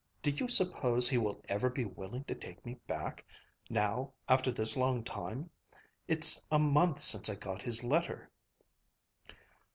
Do you suppose he will ever be willing to take me back? now after this long time? It's a month since I got his letter."